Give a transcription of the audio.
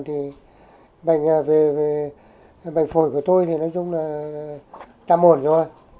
thì bệnh về bệnh phổi của tôi thì nói chung là ta mồn rồi